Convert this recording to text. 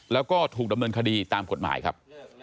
แล้วก็ถูกดำเนินคดีตามกฎหมายครับ